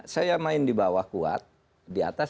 saya main di bawah kuat di atas